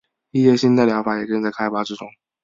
一些新的疗法也正在开发之中。